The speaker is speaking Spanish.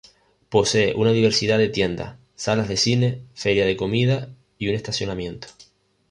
Posee una diversidad de tiendas, salas de cine, feria de comida y un estacionamiento.